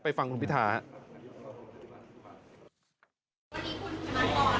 ไปฟังคุณวิทยานะคะ